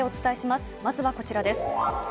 まずはこちらです。